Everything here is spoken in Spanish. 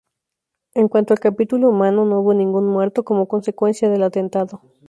En cuanto al capítulo humano no hubo ningún muerto como consecuencia del atentado.